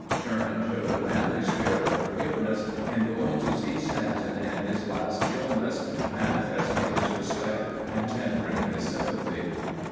Sherman showed a manly spirit of forgiveness in going to see Stanton in his last iUness, manifesting his respect and tendering his sympathy.